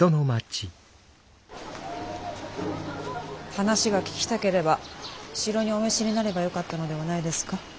話が聞きたければ城にお召しになればよかったのではないですか。